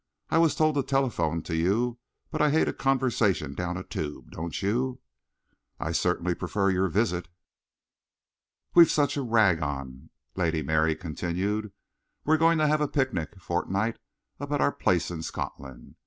I was told to telephone to you, but I hate a conversation down a tube, don't you?" "I certainly prefer your visit." "We've such a rag on," Lady Mary continued. "We're going to have a picnic fortnight up at our place in Scotland.